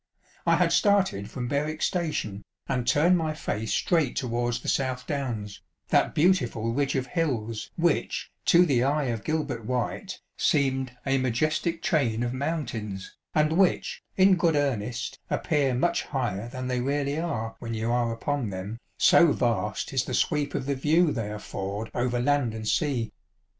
I had started from Berwick Station and turned my face straight towards the South Downs, that beautiful ridge of hills which, to the eye of Gilbert White, seemed a "majestic chain of mountains," and which, in good earnest, appear much higher than they really are when you are upon them, so vast is the sweep of the view they afford over land and sea.